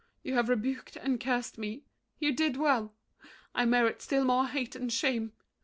You have rebuked and cursed me: you did well! I merit still more hate and shame.